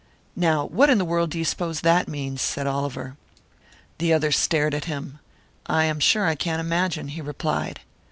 "Now, what in the world do you suppose that means?" said Oliver. The other stared at him. "I am sure I can't imagine," he replied.